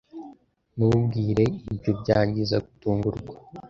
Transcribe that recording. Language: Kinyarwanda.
Ntubwire . Ibyo byangiza gutungurwa.